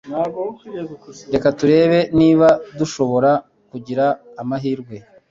Reka turebe niba dushobora kugira amahirwe